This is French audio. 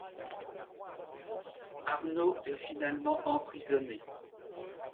Arnaud est finalement emprisonné.